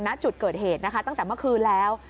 ณจุดเกิดเหตุนะคะตั้งแต่เมื่อคืนแล้ว